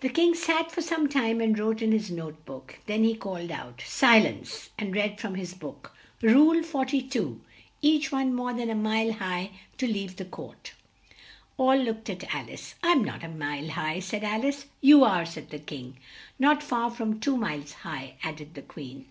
The King sat for some time and wrote in his note book, then he called out, "Si lence!" and read from his book, "Rule For ty two. Each one more than a mile high to leave the court." All looked at Al ice. "I'm not a mile high," said Al ice. "You are," said the King. "Not far from two miles high," add ed the Queen.